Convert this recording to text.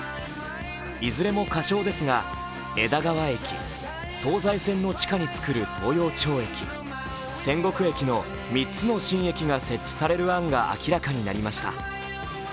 いずれも仮称ですが、枝川駅、東西線の地下に造る東陽町駅千石駅の３つの新駅が設置される案が明らかになりました。